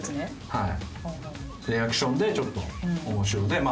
はい？